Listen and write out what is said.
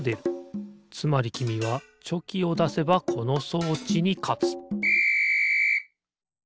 つまりきみはチョキをだせばこの装置にかつピッ！